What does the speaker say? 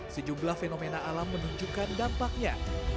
sejumlah fenomena alam menunjukkan dampaknya